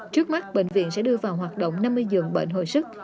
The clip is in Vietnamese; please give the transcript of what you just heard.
trước mắt bệnh viện sẽ đưa vào hoạt động năm mươi giường bệnh hồi sức